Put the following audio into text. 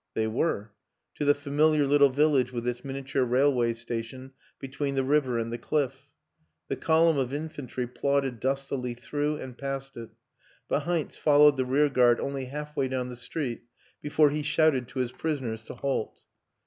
They were to the familiar little village with its miniature railway station between the river and the cliff. The column of infantry plodded dustily through and past it, but Heinz followed the rear guard only halfway down the street be fore he shouted to his prisoners to halt.